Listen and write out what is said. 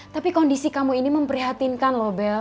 tapi kondisi kamu ini memprihatinkan loh bel